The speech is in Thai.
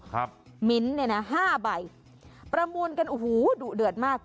ครับมิ้นท์เนี่ยน่ะ๕ใบประมวลกันโอ้โฮดูเดือดมาก